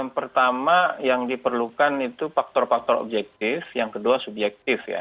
pertama yang diperlukan itu faktor faktor objektif yang kedua subjektif ya